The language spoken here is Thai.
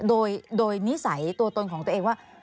โดยนิสัยตัวตนของตัวเองว่า